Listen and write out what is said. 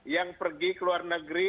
yang pergi ke luar negeri